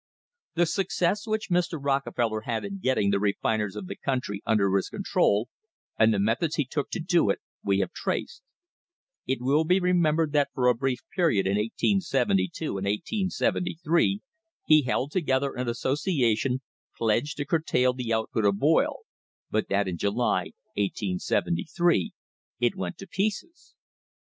The success which Mr. Rockefeller had in getting the refiners of the country under his control, and the methods he took to do it, we have traced. It will be remembered that for a brief period in 1872 and 1873 he held together an associa tion pledged to curtail the output of oil, but that in July, 1873, it went to pieces.